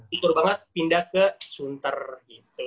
fitur banget pindah ke sunter gitu